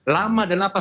lama dan lapas